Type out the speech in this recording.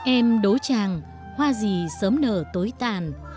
em đố tràng hoa gì sớm nở tối tàn